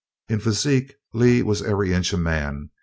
In physique Lee was every inch a man.